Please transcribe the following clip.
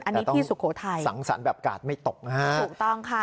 อันนี้ที่สุโขทัยถูกต้องค่ะสังสรรค์แบบกาดไม่ตก